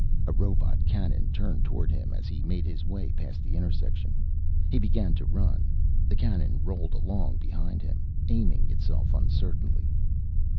A robot cannon turned toward him as he made his way past the intersection. He began to run. The cannon rolled along behind him, aiming itself uncertainly.